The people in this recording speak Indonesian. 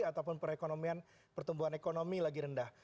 ataupun perekonomian pertumbuhan ekonomi lagi rendah